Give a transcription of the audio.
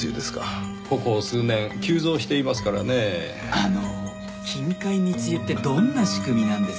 あの金塊密輸ってどんな仕組みなんです？